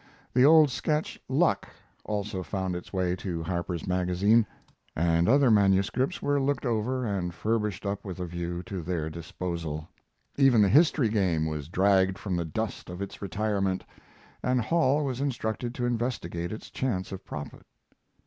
] The old sketch, "Luck," also found its way to Harper's Magazine, and other manuscripts were looked over and furbished up with a view to their disposal. Even the history game was dragged from the dust of its retirement, and Hall was instructed to investigate its chance of profit.